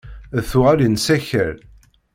D tuɣalin s akal.